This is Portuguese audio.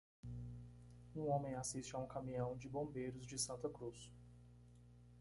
Um homem assiste a um caminhão de bombeiros de Santa Cruz.